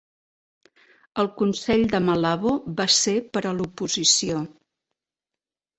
El Consell de Malabo va ser per a l'oposició.